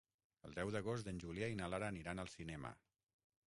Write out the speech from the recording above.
El deu d'agost en Julià i na Lara aniran al cinema.